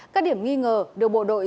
các điểm nghi ngờ được bộ đội